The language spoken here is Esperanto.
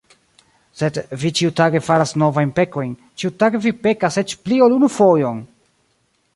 Sed vi ĉiutage faras novajn pekojn, ĉiutage vi pekas eĉ pli ol unu fojon!